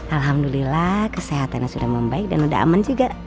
alhamdulillah kesehatannya sudah membaik dan sudah aman juga